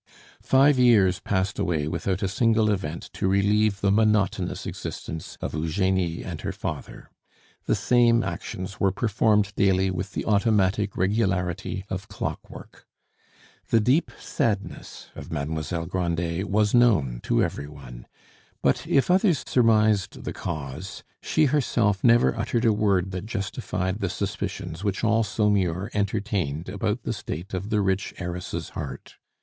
Five years passed away without a single event to relieve the monotonous existence of Eugenie and her father. The same actions were performed daily with the automatic regularity of clockwork. The deep sadness of Mademoiselle Grandet was known to every one; but if others surmised the cause, she herself never uttered a word that justified the suspicions which all Saumur entertained about the state of the rich heiress's heart.